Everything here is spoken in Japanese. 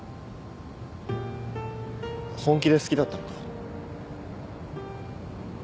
本気で好きだったのか？